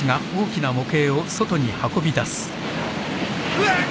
うわっ！